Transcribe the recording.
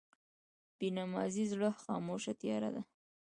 بېنمازه زړه خاموشه تیاره ده.